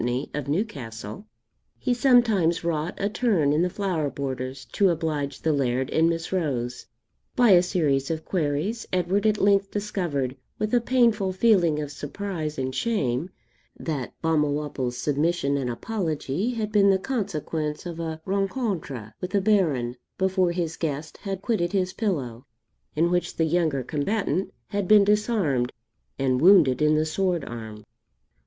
of Newcastle, he sometimes wrought a turn in the flower borders to oblige the Laird and Miss Rose. By a series of queries, Edward at length discovered, with a painful feeling of surprise and shame, that Balmawhapple's submission and apology had been the consequence of a rencontre with the Baron before his guest had quitted his pillow, in which the younger combatant had been disarmed and wounded in the sword arm.